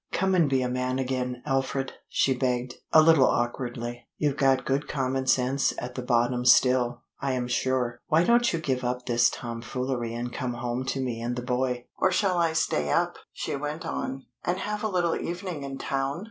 "Come and be a man again, Alfred," she begged, a little awkwardly. "You've got good common sense at the bottom still, I am sure. Why don't you give up this tomfoolery and come home to me and the boy? Or shall I stay up," she went on, "and have a little evening in town?